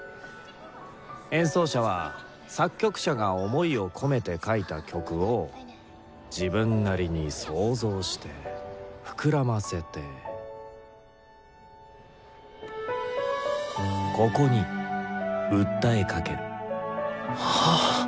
演奏者は作曲者が想いを込めて書いた「曲」を自分なりに想像して膨らませて「ここ」に訴えかける。